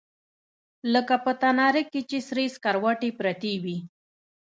لکه په تناره کښې چې سرې سکروټې پرتې وي.